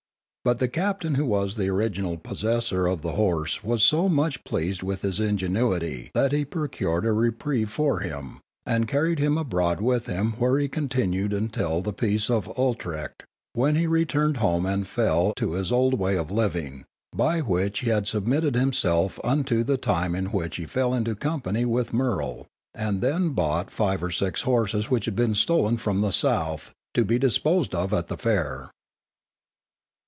But the captain who was the original possessor of the horse was so much pleased with his ingenuity that he procured a reprieve for him, and carried him abroad with him where he continued until the peace of Utrecht, when he returned home and fell to his old way of living, by which he had submitted himself unto the time in which he fell into company with Murrel, and had then bought five or six horses which had been stolen from the South, to be disposed of at the fair.